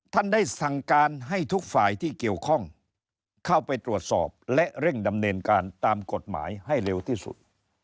ท่านได้สั่งการให้ทุกฝ่ายที่เกี่ยวข้องเข้าไปตรวจสอบและเร่งดำเนินการตามกฎหมายให้เร็วที่สุด